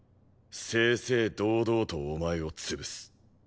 正々堂々とお前を潰す。